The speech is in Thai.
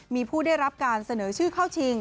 มีผู้ได้รับการเสนอชื่อเข้าชิง